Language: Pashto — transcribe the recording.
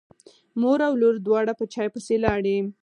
مور او لور دواړه په چای پسې لاړې.